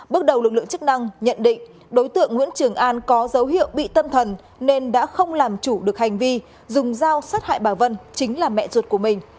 bước đầu lực lượng chức năng nhận định đối tượng nguyễn trường an có dấu hiệu bị tâm thần nên đã không làm chủ được hành vi dùng dao sát hại bà vân chính là mẹ ruột của mình